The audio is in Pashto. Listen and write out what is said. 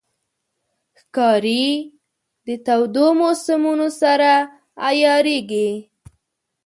ښکاري د تودو موسمونو سره عیارېږي.